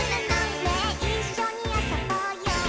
「ねえいっしょにあそぼうよ」